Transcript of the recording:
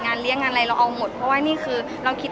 งานเลี้ยงงานอะไรเราเอาหมด